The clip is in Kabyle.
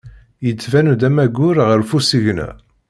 Yettban-d am aggur ɣef usigna.